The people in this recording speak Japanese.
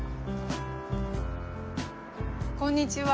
こんにちは。